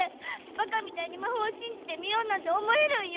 ばかみたいに魔法を信じてみようなんて思えるんよ！